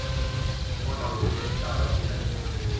錯就要認，打就企定